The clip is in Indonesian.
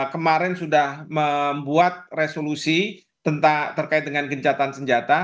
kemarin sudah membuat resolusi terkait dengan gencatan senjata